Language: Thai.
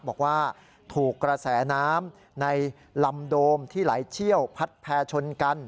บอกว่าถูกกระแสน้ำในลำโดมที่ไหลเชี่ยวพัดแพร่ชนกัน